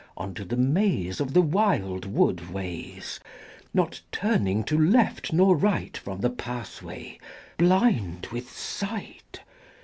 On to the maze Of the wild wood ways, Not turning to left nor right From the pathway, blind with sight XVIII.